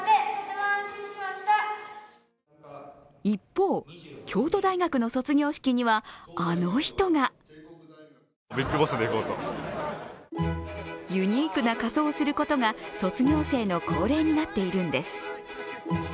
一方、京都大学の卒業式にはあの人がユニークな仮装をすることが卒業生の恒例になっているんです。